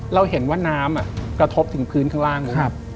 เราเห็นว่าน้ำกระทบถึงพื้นข้างล่างเลย